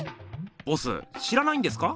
ボス知らないんですか？